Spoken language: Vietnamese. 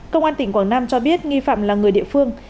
công an tỉnh quảng nam cho biết nghi phạm là người địa phương